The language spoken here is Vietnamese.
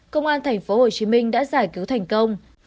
công an tp hcm đã giải cứu thành công